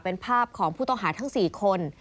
เป็นภาพของผู้ต้องหาทั้ง๔คน